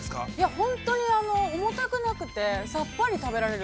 ◆本当に重たくなくて、ちゃんと食べられます。